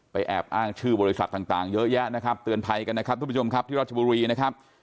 แอบอ้างชื่อบริษัทต่างเยอะแยะนะครับเตือนภัยกันนะครับทุกผู้ชมครับที่รัชบุรีนะครับ